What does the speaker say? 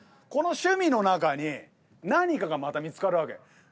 この趣味の中に何かがまた見つかるわけ。